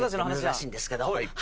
「珍しいんですけど。